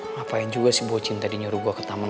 ngapain juga si bocin tadi nyuruh gue ke taman